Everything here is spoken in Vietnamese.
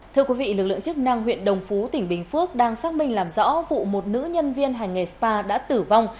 thưa quý vị lực lượng chức năng huyện đồng phú tỉnh bình phước đang xác minh làm rõ vụ một nữ nhân viên hành nghề spa đã tử vong